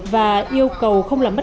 và yêu cầu không làm bài tập